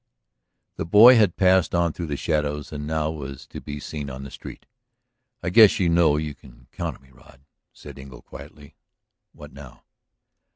The boy had passed on through the shadows and now was to be seen on the street. "I guess you know you can count on me, Rod," said Engle quietly. "What now?"